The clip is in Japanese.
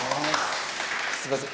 すいません。